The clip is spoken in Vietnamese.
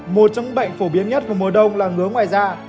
một trong bệnh phổ biến nhất vào mùa đông là ngứa ngoài da